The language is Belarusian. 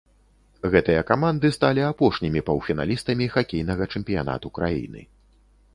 Гэтыя каманды сталі апошнімі паўфіналістамі хакейнага чэмпіянату краіны.